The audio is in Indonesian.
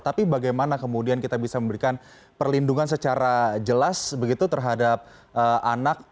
tapi bagaimana kemudian kita bisa memberikan perlindungan secara jelas begitu terhadap anak